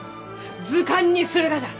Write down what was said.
図鑑にするがじゃ！